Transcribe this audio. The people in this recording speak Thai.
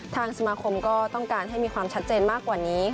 ทางสมาคมก็ต้องการให้มีความชัดเจนมากกว่านี้